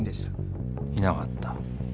いなかった？